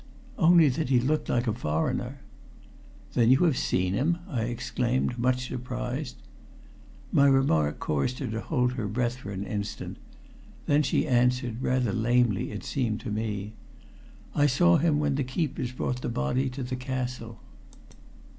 "Only that he looked like a foreigner." "Then you have seen him?" I exclaimed, much surprised. My remark caused her to hold her breath for an instant. Then she answered, rather lamely, it seemed to me: "I saw him when the keepers brought the body to the castle."